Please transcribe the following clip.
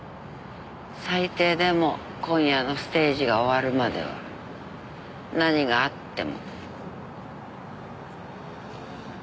最低でも今夜のステージが終わるまでは何があっても。